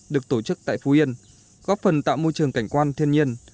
được tổ chức tại phú yên góp phần tạo môi trường cảnh quan thiên nhiên